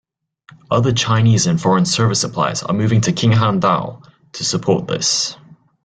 Other Chinese and foreign service suppliers are moving to Qinhuangdao to support this.